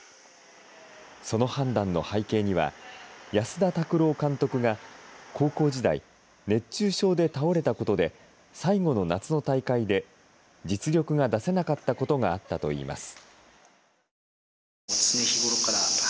その判断の背景には安田拓朗監督が高校時代、熱中症で倒れたことで最後の夏の大会で実力が出せなかったことがあったといいます。